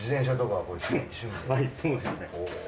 はいそうですね。